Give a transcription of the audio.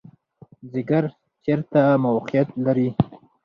ځیګر چیرته موقعیت لري؟